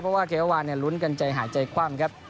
เพราะว่าเกมเมื่อวานลุ้นกันใจหายใจคว่ำครับ